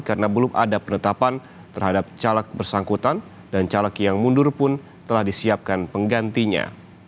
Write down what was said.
karena belum ada penetapan terhadap caleg bersangkutan dan caleg yang mundur pun telah disiapkan penggantinya